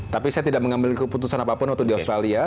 tapi saya tidak mengambil keputusan apapun waktu di australia